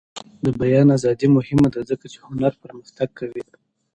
د بیان ازادي مهمه ده ځکه چې هنر پرمختګ کوي.